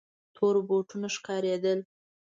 تور بوټونه ښکارېدل.